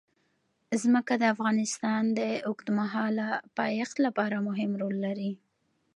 ځمکه د افغانستان د اوږدمهاله پایښت لپاره مهم رول لري.